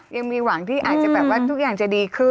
ยังมีหวังที่อาจจะแบบว่าทุกอย่างจะดีขึ้น